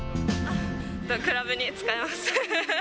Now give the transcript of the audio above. クラブに使います。